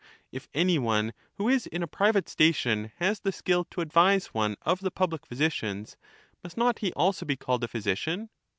If any one who is in a private station has the skill to advise one of the public physicians, must not he also be called a physician